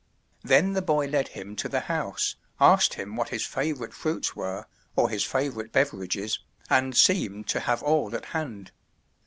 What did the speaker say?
Then the boy led him to the house, asked him what his favorite fruits were, or his favorite beverages, and seemed to have all at hand.